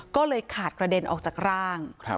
ก็เลยขาดกระเด็นออกจากร่าง